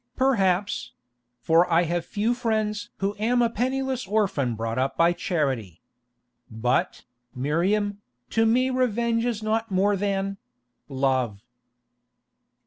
"Perhaps; for I have few friends who am a penniless orphan brought up by charity. But, Miriam, to me revenge is not more than—love."